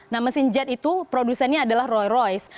nah mesin jet itu produsennya adalah roy royce